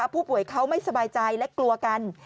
ผู้ป่วยเขาไม่สบายใจและกลัวกัน